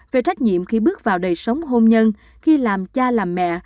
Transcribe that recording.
về trách nhiệm khi bước vào đời sống hôn nhân khi làm cha làm mẹ